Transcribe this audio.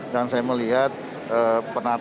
dan saya melihat penataannya